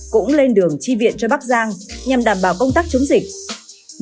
cũng lên đường chi viện cho bắc giang nhằm đảm bảo công tác chống dịch